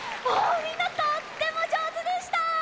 みんなとってもじょうずでした！